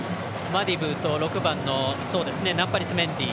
マディブーと６番のナンパリス・メンディ。